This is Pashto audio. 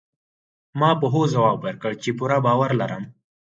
ما په هوځواب ورکړ، چي پوره باور لرم.